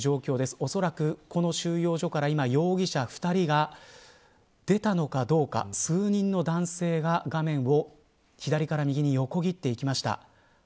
おそらくこの収容所から今、容疑者２人が出たのかどうか数人の男性が画面を左から右に横切っていきました。